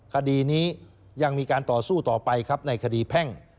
คดีนี้ยังมีการต่อสู้ต่อไปครับในคดีแพ่ง